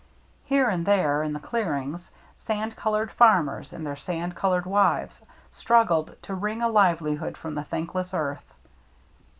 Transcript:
Here and there, in the clearings, sand colored farmers and their sand colored wives struggled to wring a livelihood from the thankless earth.